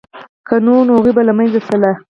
که نه نو هغوی به له منځه تلل